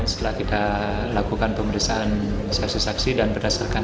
setelah kita lakukan pemeriksaan saksi saksi dan berdasarkan